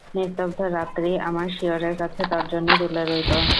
নিস্তব্ধ রাত্রি আমার শিয়রের কাছে তর্জনী তুলে রইল।